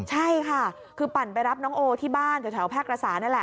ใช่ค่ะคือปั่นไปรับน้องโอที่บ้านแถวแพร่กระสานั่นแหละ